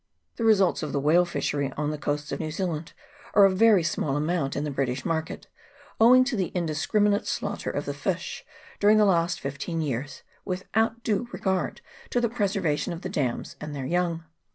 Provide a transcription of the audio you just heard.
The results of the whale fishery on the coasts of New Zealand are of very small amount in the British market, owing to the indiscriminate slaughter of the fish during the last fifteen years, without due regard to the preservation of the dams and their young.